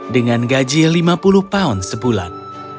dengan gaji lima puluh pound sebulan